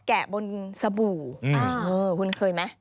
แกะบนสบู่คุณเคยไหม